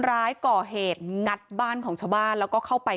ร้ายก่อเหตุงัดบ้านของชาวบ้านแล้วก็เข้าไป